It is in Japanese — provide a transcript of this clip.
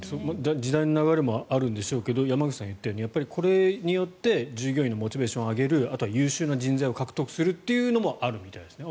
時代の流れもあるんでしょうが山口さんの言ったようにやっぱりこれによって従業員のモチベーションを上げるあと、優秀な人材を獲得するというのもあるみたいですね。